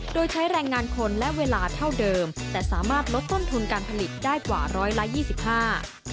โดยใช้แรงงานคนและเวลาเท่าเดิมแต่สามารถลดต้นทุนการผลิตได้กว่าร้อยละยี่สิบห้า